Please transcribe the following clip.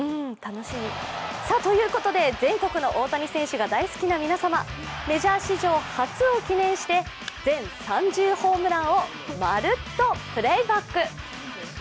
ということで、全国の大谷選手が大好きな皆様、メジャー史上初のを記念して全３０ホームランを「まるっと！Ｐｌａｙｂａｃｋ」。